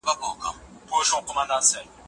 جارج واټسن د لارښود د کار په اړه خبرې کوي.